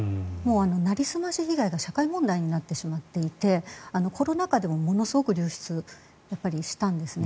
なりすまし被害が社会問題になってしまっていてコロナ禍でもものすごく流失したんですね。